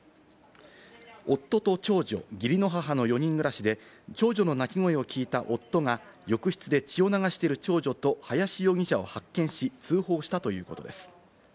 夫と長女、義理の母の４人暮らしで、長女の泣き声を聞いた夫が浴室で血を流している長女と林容疑者を発見し、通報したということです。